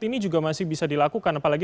ini juga masih bisa dilakukan apalagi